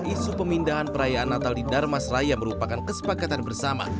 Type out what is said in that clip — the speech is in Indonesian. isu pemindahan perayaan natal di darmas raya merupakan kesepakatan bersama